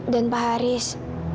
dan pak haris